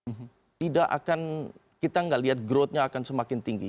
kita tidak akan melihat growth nya akan semakin tinggi